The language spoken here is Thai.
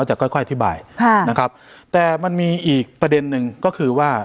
จะค่อยค่อยอธิบายค่ะนะครับแต่มันมีอีกประเด็นหนึ่งก็คือว่า